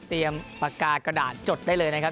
ปากกากระดาษจดได้เลยนะครับ